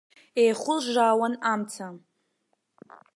Еихәылжжаауан амца.